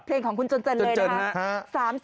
เพลงของคุณจนเจนเลยนะครับ